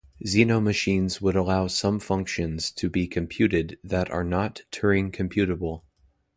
Zeno machines would allow some functions to be computed that are not Turing-computable.